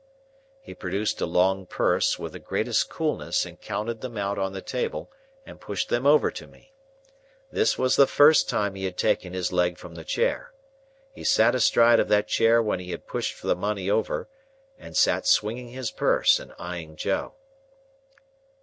He produced a long purse, with the greatest coolness, and counted them out on the table and pushed them over to me. This was the first time he had taken his leg from the chair. He sat astride of the chair when he had pushed the money over, and sat swinging his purse and eyeing Joe.